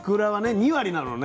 ２割なのね。